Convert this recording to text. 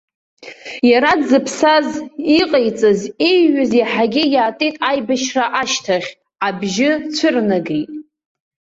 Иара дзыԥсаз, иҟаиҵаз, ииҩыз иаҳагьы иаатит аибашьра ашьҭахь, абжьы цәырнагеит.